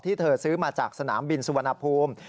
เธอซื้อมาจากสนามบินสุวรรณภูมิ